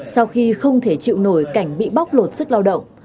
sau khi không thể chịu nổi cảnh bị bóc lột sức lao động